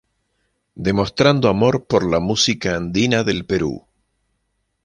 Demostrando amor por la música andina del Perú.